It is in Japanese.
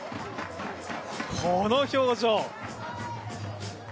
この表情。